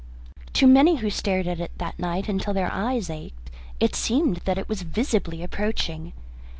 To many who stared at it that night until their eyes ached it seemed that it was visibly approaching.